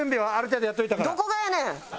どこがやねん！